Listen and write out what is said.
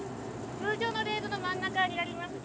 通常のレールの真ん中にあります。